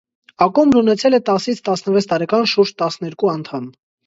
Ակումբն ունեցել է տասից տասնվեց տարեկան շուրջ տասներկու անդամ։